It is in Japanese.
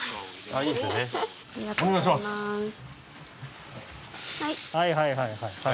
はいはいはいはいはい。